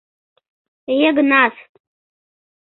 Йыгнат.